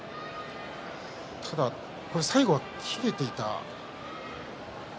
ただ最後は切れていた。